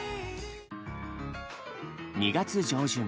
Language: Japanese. ２月上旬。